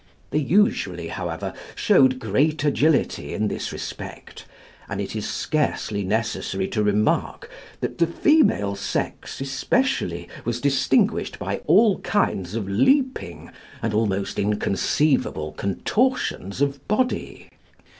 They usually, however, showed great agility in this respect, and it is scarcely necessary to remark that the female sex especially was distinguished by all kinds of leaping and almost inconceivable contortions of body.